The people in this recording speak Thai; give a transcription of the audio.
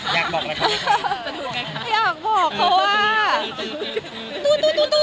อยากบอกเขาว่า